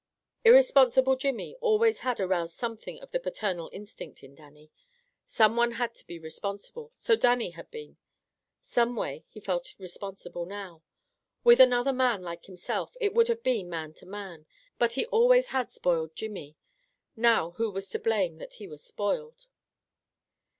Irresponsible Jimmy always had aroused something of the paternal instinct in Dannie. Some one had to be responsible, so Dannie had been. Some way he felt responsible now. With another man like himself, it would have been man to man, but he always had spoiled Jimmy; now who was to blame that he was spoiled?